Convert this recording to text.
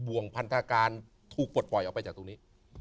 วงพันธการถูกปลดปล่อยออกไปจากตรงนี้